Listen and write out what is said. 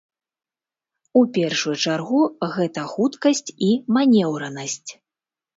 У першую чаргу, гэта хуткасць і манеўранасць.